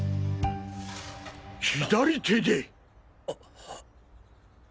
左手で！